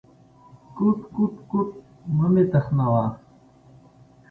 _کوټ، کوټ، کوټ… مه مې تخنوه.